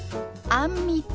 「あんみつ」。